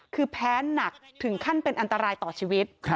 คือแพ้หนักถึงขั้นเป็นอันตรายต่อชีวิต